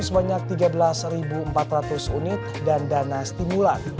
sebanyak tiga belas empat ratus unit dan dana stimulan